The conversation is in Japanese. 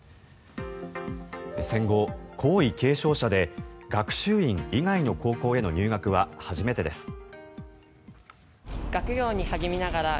戦後、皇位継承者で学習院以外の高校への入学は初めてです。